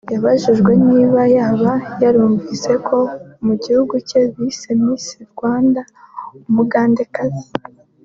yabajijwe niba yaba yarumvise ko mu gihugu cye bise Miss Rwanda umugandekazi